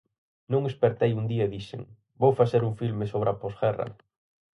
Non espertei un día e dixen: Vou facer un filme sobre a posguerra.